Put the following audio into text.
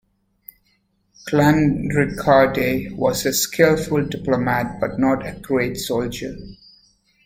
Clanricarde was a skillful diplomat but not a great soldier.